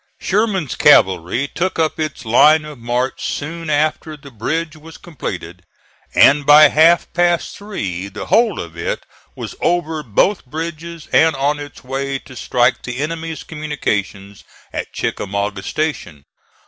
Sherman's cavalry took up its line of march soon after the bridge was completed, and by half past three the whole of it was over both bridges and on its way to strike the enemy's communications at Chickamauga Station.